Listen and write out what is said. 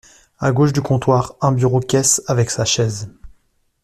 A gauche du comptoir, un bureau-caisse avec sa chaise.